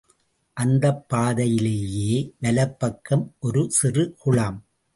அந்தப் பாதையிலேயே வலப்பக்கம் ஒரு சிறுகுளம்.